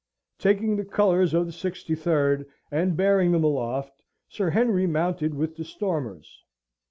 Taking the colours of the Sixty third, and bearing them aloft, Sir Henry mounted with the stormers.